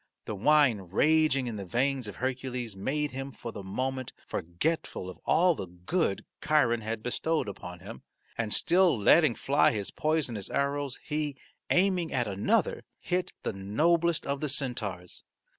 The wine raging in the veins of Hercules made him for the moment forgetful of all the good Chiron had bestowed upon him, and still letting fly his poisonous arrows he, aiming at another, hit the noblest of the centaurs.